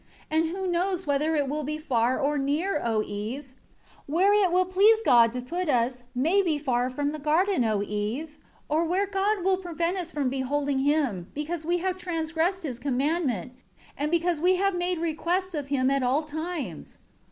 And who knows whether it will be far or near, O Eve? Where it will please God to put us, may be far from the garden, O Eve? Or where God will prevent us from beholding Him, because we have transgressed His commandment, and because we have made requests of Him at all times?